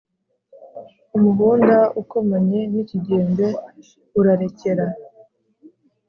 umuhunda ukomanye n’ikigembe urarekera!